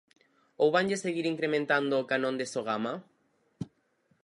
¿Ou vanlle seguir incrementando o canon de Sogama?